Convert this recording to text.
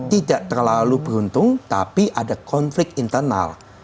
tidak terlalu beruntung tapi ada konflik internal